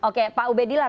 oke pak ubedillah